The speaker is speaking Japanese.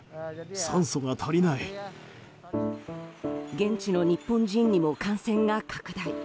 現地の日本人にも感染が拡大。